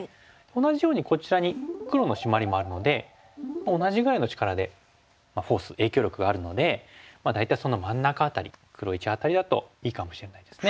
同じようにこちらに黒のシマリもあるので同じぐらいの力でフォース影響力があるので大体その真ん中辺り黒①辺りだといいかもしれないですね。